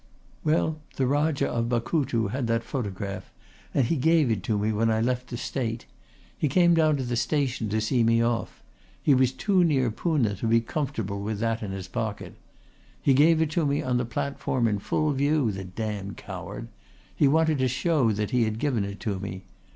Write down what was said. "Well, the Rajah of Bakutu had that photograph and he gave it to me when I left the State. He came down to the station to see me off. He was too near Poona to be comfortable with that in his pocket. He gave it to me on the platform in full view, the damned coward. He wanted to show that he had given it to me.